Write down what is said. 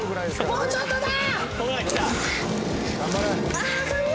もうちょっとだ！